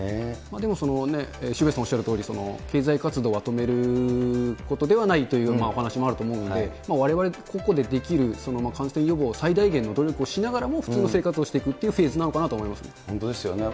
でも、渋谷さんおっしゃるように、経済活動は止めることではないというお話もあると思うので、われわれ個々でできる感染予防、最大限の努力をしながらも、普通の生活をしてくっていうフェーズなのかと思いますね。